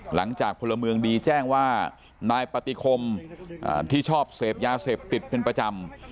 พลเมืองดีแจ้งว่านายปฏิคมที่ชอบเสพยาเสพติดเป็นประจำ